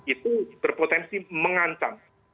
itu berpotensi mengancam